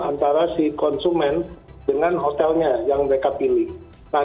antara si konsumen dengan hotelnya yang mereka pilih